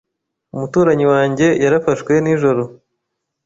Umuturanyi wanjye yarafashwe nijoro.